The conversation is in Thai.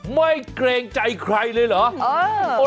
เกรงใจใครเลยเหรอ